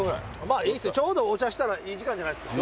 ちょうどお茶したらいい時間じゃないですか。